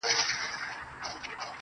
• پر ښايستوكو سترگو.